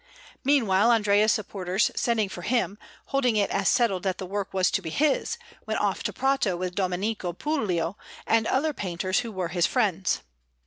Meanwhile, Andrea's supporters sending for him, he, holding it as settled that the work was to be his, went off to Prato with Domenico Puligo and other painters who were his friends.